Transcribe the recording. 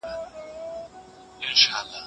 ده د ژوند په هر پړاو کې زده کړه جاري ساتلې.